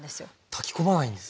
炊き込まないんです。